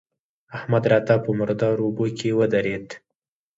احمد راته په مردارو اوبو کې ودرېد.